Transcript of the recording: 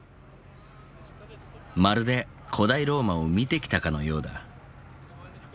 まるで古代ローマを見てきたかのようだ。